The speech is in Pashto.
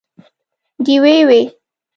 ډیوې وي